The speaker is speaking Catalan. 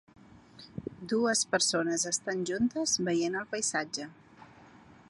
Dues persones estan juntes veient el paisatge.